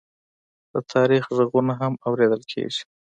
د تاریخ غږونه هم اورېدل کېږي.